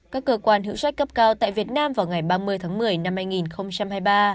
các cơ quan hữu sách cấp cao tại việt nam vào ngày ba mươi tháng một mươi năm hai nghìn hai mươi ba